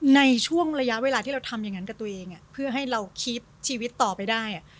ในช่วงระยะเวลาที่เราทำอย่างนั้นกับตัวเองเพื่อให้เราคิดชีวิตต่อไปได้